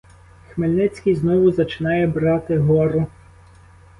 Хмельницький знову зачинає брати гору.